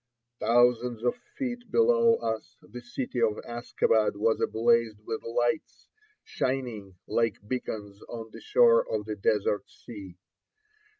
Thousands of feet below us the city of Askabad was ablaze with lights, shining like beacons on the shore of the desert sea.